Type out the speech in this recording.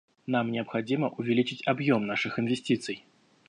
Нам необходимо увеличить объем наших инвестиций.